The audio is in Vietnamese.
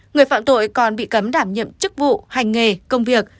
người phạm tội còn bị cấm đảm nhiệm chức vụ hành nghề công việc